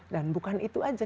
dan bukan itu saja